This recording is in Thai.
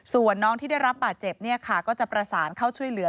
ส่วนน้องที่ได้รับบาดเจ็บก็จะประสานเข้าช่วยเหลือ